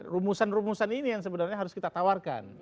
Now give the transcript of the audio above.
rumusan rumusan ini yang sebenarnya harus kita tawarkan